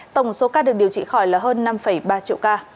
tổng số ca được điều trị khỏi là hơn năm ba triệu ca